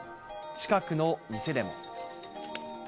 近くの店でも。